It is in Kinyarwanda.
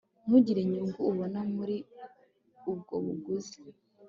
ntugire inyungu ubona muri ubwo buguzi